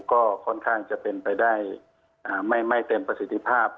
ก็ค่อนข้างจะเป็นไปได้ไม่เต็มประสิทธิภาพ